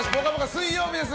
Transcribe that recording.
水曜日です。